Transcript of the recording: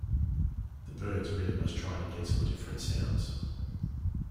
The Byrds really must try to get some different sounds.